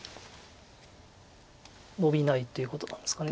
ノビないっていうことなんですか。